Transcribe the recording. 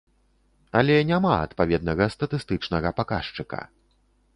Але няма адпаведнага статыстычнага паказчыка.